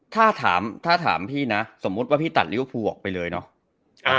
ถ้าถามถ้าถามพี่นะสมมุติว่าพี่ตัดริ้วพูออกไปเลยเนอะอ่า